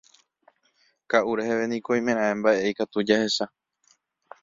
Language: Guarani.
Ka'u reheve niko oimeraẽ mba'e ikatu jahecha.